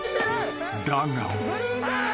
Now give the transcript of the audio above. ［だが］